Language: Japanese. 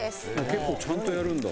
結構ちゃんとやるんだ。